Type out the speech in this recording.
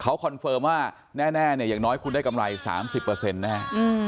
เขาคอนเฟิร์มว่าแน่เนี่ยอย่างน้อยคุณได้กำไร๓๐แน่